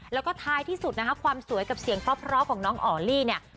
แล้วก็ท้ายที่สุดนะคะความสวยกับเสียงเพราะของน้องออลลี่เนี่ย